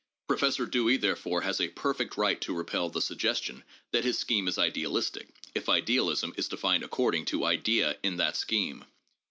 Professor Dewey, therefore, has a perfect right to repel the suggestion that his scheme is idealistic, if idealism is defined according to "idea" in that scheme.